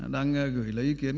đang gửi lấy ý kiến